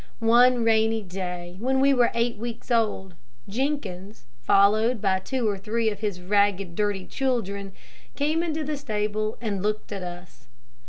One rainy day, when we were eight weeks old, Jenkins, followed by two or three of his ragged, dirty children, came into the stable and looked at us.